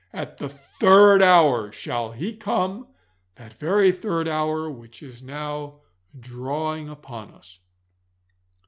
At the third hour shall He come that very third hour which is now drawing upon us.